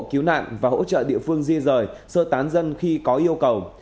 cứu nạn và hỗ trợ địa phương di rời sơ tán dân khi có yêu cầu